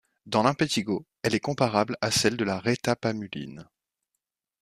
Dans l'impétigo, elle est comparable à celle de la rétapamuline.